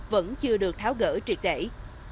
vẫn chưa được tháo gỡ triệt đẩy